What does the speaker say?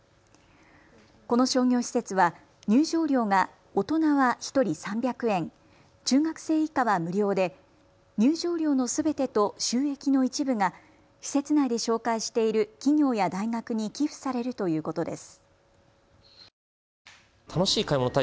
この商業施設は入場料が大人は１人３００円、中学生以下は無料で入場料のすべてと収益の一部が施設内で紹介している企業や大学に寄付されるということです。